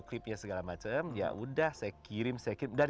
klipnya segala macem ya udah saya kirim sekitar